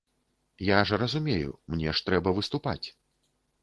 Я ж разумею, мне ж трэба выступаць.